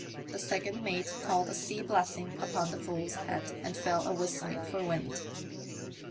The second mate called a sea blessing upon the fool's head, and fell a whistling for wind.